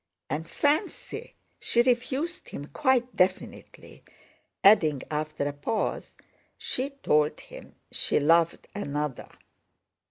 "And fancy! she refused him quite definitely!" adding, after a pause, "she told him she loved another."